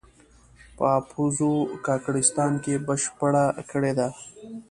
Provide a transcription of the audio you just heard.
په اپوزو کاکړستان کې بشپړه کړې ده.